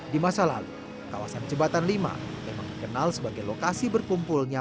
di masa lalu kawasan jembatan lima memang dikenal sebagai lokasi berkumpulnya